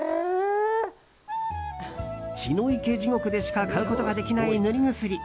血の池地獄でしか買うことができない塗り薬。